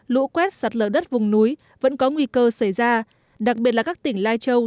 lũ quét sạt lở đất vùng núi vẫn có nguy cơ xảy ra đặc biệt là các tỉnh lai châu